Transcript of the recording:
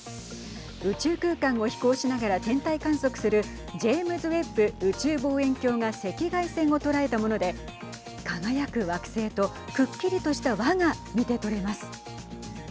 宇宙空間を飛行しながら天体観測するジェームズ・ウェッブ宇宙望遠鏡が赤外線を捉えたもので輝く惑星と、くっきりとした輪が見て取れます。